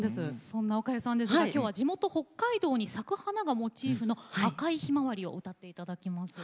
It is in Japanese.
そんなおかゆさんですが今日は地元北海道に咲く花がモチーフの「赤いひまわり」を歌っていただきます。